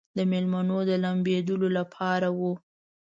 د مېلمنو د لامبېدلو لپاره و.